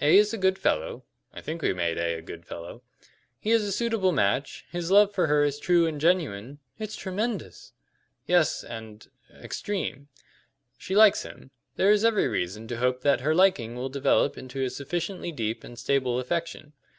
A is a good fellow (I think we made A a good fellow), he is a suitable match, his love for her is true and genuine " "It's tremendous!" "Yes and er extreme. She likes him. There is every reason to hope that her liking will develop into a sufficiently deep and stable affection.